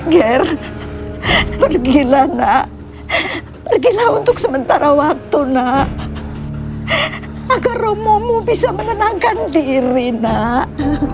ger pergilah nak pergilah untuk sementara waktu nak agar romo bisa menenangkan diri nak